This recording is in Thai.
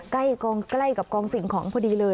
ใกล้กับกองสิ่งของพอดีเลย